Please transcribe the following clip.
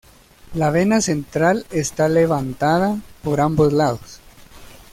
La vena central está levantada por ambos lados.